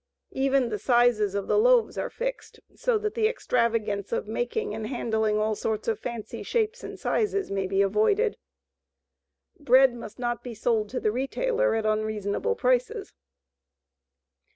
Even the sizes of the loaves are fixed, so that the extravagance of making and handling all sorts of fancy shapes and sizes may be avoided. Bread must not be sold to the retailer at unreasonable prices.